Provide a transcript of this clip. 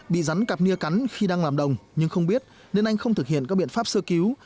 bị rắn cặp nia cắn khi đang làm đồng nhưng không biết nên anh không thực hiện các biện pháp sơ cứu